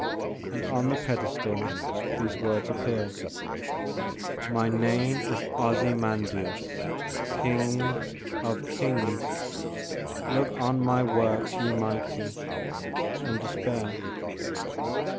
And on the pedestal these words appear:"My name is Ozymandias, king of kings:Look on my works, ye mighty, and despair!"